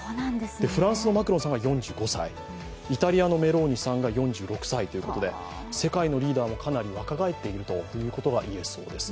フランスのマクロンさんが４５歳、イタリアのメローニさんが４６歳ということで世界のリーダーもかなり若返っているということが言えそうです。